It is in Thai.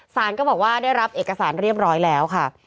สารก็บอกว่าได้รับเอกสารเรียบร้อยแล้วค่ะ